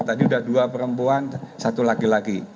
tadi sudah dua perempuan satu laki laki